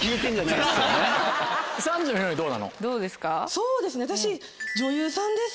そうですね私。